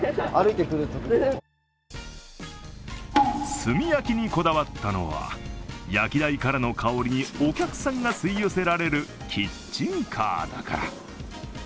炭焼きにこだわったのは、焼き台からの香りにお客さんが吸い寄せられるキッチンカーだから。